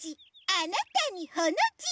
あなたにほのじ。